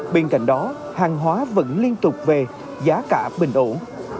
bên cạnh đó hàng hóa vẫn liên tục về giá cả bình ổn